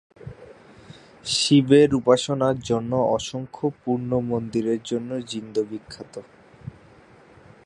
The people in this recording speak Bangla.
শিবের উপাসনার জন্য অসংখ্য পুণ্য মন্দিরের জন্য জিন্দ বিখ্যাত।